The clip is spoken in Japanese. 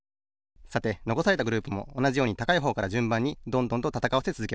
さてのこされたグループもおなじように高いほうからじゅんばんにどんどんとたたかわせつづけます。